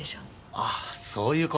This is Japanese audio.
ああそういう事。